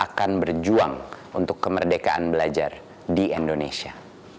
akan berjuang untuk kemerdekaan belajar di indonesia